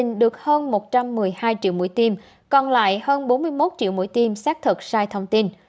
các mũi tiêm được hơn một trăm một mươi hai triệu mũi tiêm còn lại hơn bốn mươi một triệu mũi tiêm xác thật sai thông tin